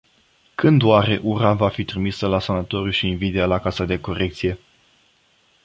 Când oare ura va fi trimisă la sanatoriu și invidia la casa de corecție?